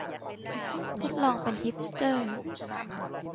ทดลองเป็นฮิปสเตอร์